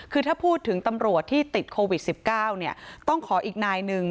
คือถ้าพูดถึงตำรวจที่ติดโควิด๑๙ต้องขออีกนายหนึ่ง